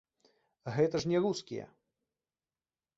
Гэта ж не рускія.